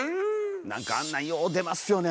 なんかあんなんよう出ますよね